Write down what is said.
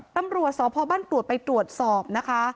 ตำรวจสพบ้านกรวดไปตรวจสอบนะคะ